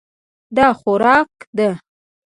دا خوراک ده.